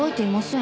ん？